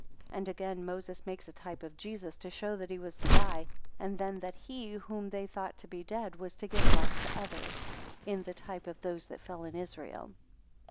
7 And again Moses makes a type of Jesus, to show that he was to die, and then that he, whom they thought to be dead, was to give life to others; in the type of those that fell in Israel.